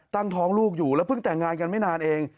ตั้งท้องลูกอยู่แล้วเพิ่งแต่งงานกันไม่นานเอง